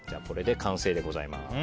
これで完成でございます。